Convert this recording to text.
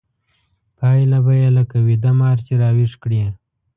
پايله به يې لکه ويده مار چې راويښ کړې.